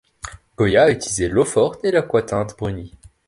Goya a utilisé l'eau-forte et l'aquatinte brunie.